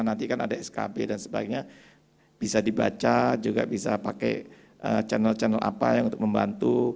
nanti kan ada skb dan sebagainya bisa dibaca juga bisa pakai channel channel apa yang membantu